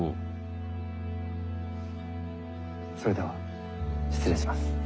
それでは失礼します。